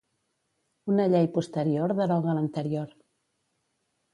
Una llei posterior deroga l'anterior.